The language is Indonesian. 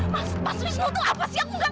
mas mas wisnu itu apa sih yang aku gak ngerti